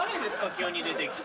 急に出てきて。